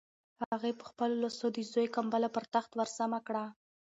هغې په خپلو لاسو د زوی کمپله پر تخت ورسمه کړه.